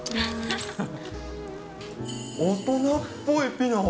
大人っぽいピノ。